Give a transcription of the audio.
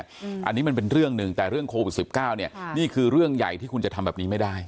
อันนี้มันเป็นเรื่องหนึ่งแต่เรื่องโควิดสิบเก้าเนี่ยนี่คือเรื่องใหญ่ที่คุณจะทำแบบนี้ไม่ได้